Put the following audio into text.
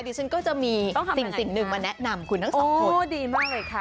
ดิฉันก็จะมีสิ่งหนึ่งมาแนะนำคุณทั้งสองคนโอ้ดีมากเลยค่ะ